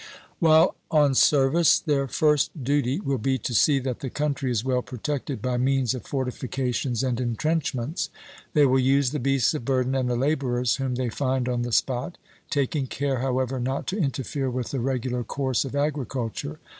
While on service, their first duty will be to see that the country is well protected by means of fortifications and entrenchments; they will use the beasts of burden and the labourers whom they find on the spot, taking care however not to interfere with the regular course of agriculture.